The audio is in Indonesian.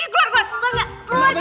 keluar keluar keluar